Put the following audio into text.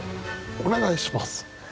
お願いします。